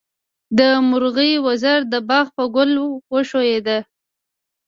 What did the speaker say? د مرغۍ وزر د باغ په ګل وښویېد.